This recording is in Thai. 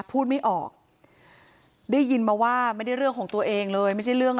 พูดไม่ออกได้ยินมาว่าไม่ได้เรื่องของตัวเองเลยไม่ใช่เรื่อง